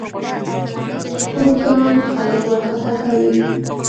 کوږ ګام خلک وارخطا کوي